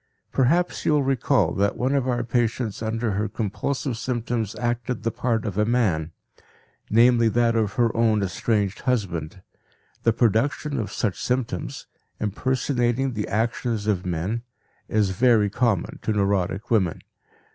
Perhaps you will recall that one of our patients under her compulsive symptoms acted the part of a man, namely that of her own estranged husband; the production of such symptoms, impersonating the actions of men, is very common to neurotic women.